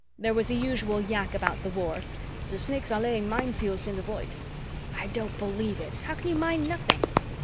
There was the usual yak about the war "The Snakes are laying mine fields in the Void," "I don't believe it, how can you mine nothing?"